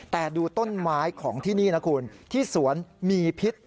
แต่ดูต้นไม้ของที่นี่นะคุณที่สวนมีพิษ